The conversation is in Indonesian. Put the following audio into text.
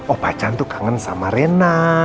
opacan tuh kangen sama rena